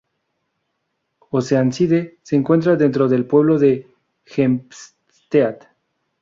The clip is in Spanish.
Oceanside se encuentra dentro del pueblo de Hempstead.